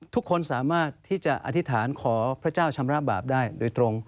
ทุกคนสามารถที่จะอธิษฐานขอพระเจ้าชำระบาปได้โดยตรง